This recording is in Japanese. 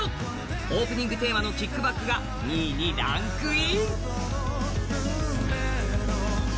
オープニングテーマの「ＫＩＣＫＢＡＣＫ」が２位にランクイン。